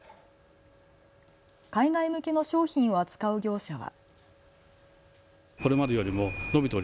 海外向けの商品を扱う業者は。